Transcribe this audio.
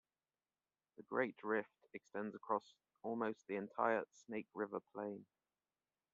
The Great Rift extends across almost the entire Snake River Plain.